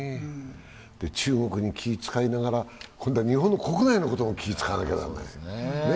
中国に気を使いながら、今度は日本国内のことも気遣わなくちゃいけない。